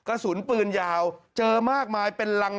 กระสุนปืนยาวเจอมากมายเป็นรัง